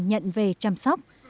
nhận về chăm sóc